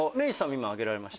今挙げられました。